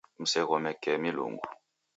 Mseghoghomekee milungu.